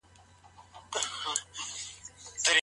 د اسلام مبارک دين بشپړ نظام دی.